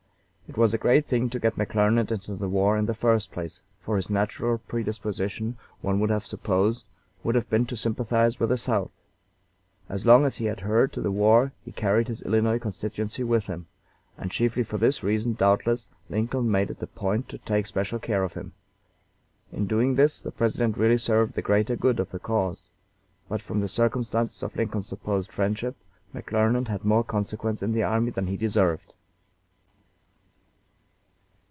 It was a great thing to get McClernand into the war in the first place, for his natural predisposition, one would have supposed, would have been to sympathize with the South. As long as he adhered to the war he carried his Illinois constituency with him; and chiefly for this reason, doubtless, Lincoln made it a point to take special care of him. In doing this the President really served the greater good of the cause. But from the circumstances of Lincoln's supposed friendship, McClernand had more consequence in the army than he deserved.